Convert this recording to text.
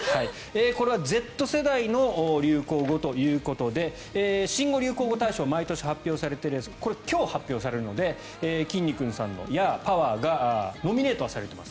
これはＺ世代の流行語ということで新語・流行語大賞毎年発表されていますがこれ、今日発表されるのできんに君さんのヤー！パワー！がノミネートはされています。